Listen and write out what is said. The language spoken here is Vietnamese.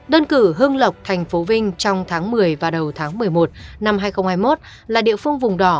đơn cử hương lộc tp vinh trong tháng một mươi và đầu tháng một mươi một năm hai nghìn hai mươi một là địa phương vùng đỏ